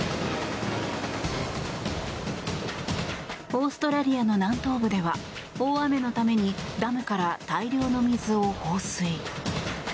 オーストラリアの南東部では大雨のためにダムから大量の水を放水。